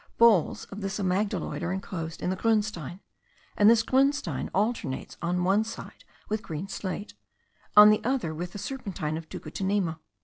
Balls of this amygdaloid are enclosed in the grunstein; and this grunstein alternates on one side with a green slate, on the other with the serpentine of Tucutunemo.